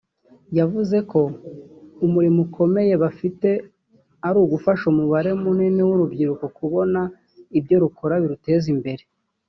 yavuze ko umurimo ukomeye bafite ari ugufasha umubare munini w’urubyiruko kubona ibyo rukora biruteza imbere